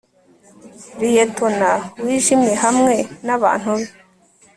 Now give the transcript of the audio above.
Liyetona wijimye hamwe nabantu be